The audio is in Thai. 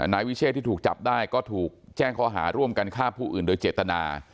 นายวิเชษที่ถูกจับได้ก็ถูกแจ้งข้อหาร่วมกันฆ่าผู้อื่นโดยเจตนา